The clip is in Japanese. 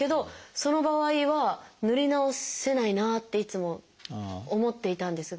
その場合は塗り直せないなっていつも思っていたんですが。